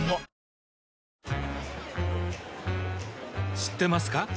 知ってますか？